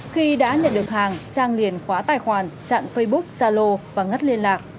khi đã nhận được hàng trang liền khóa tài khoản chặn facebook zalo và ngắt liên lạc